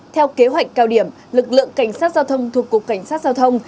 theo kế hoạch cao điểm lực lượng cảnh sát giao thông thuộc cục cảnh sát giao thông